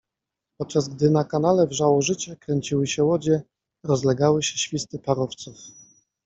Podczas gdy na kanale wrzało życie, kręciły się łodzie, rozlegały się świsty parowców.